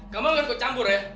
kamu kan kok campur ya